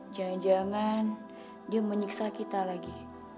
jangan jangan dia menyiksa kita lagi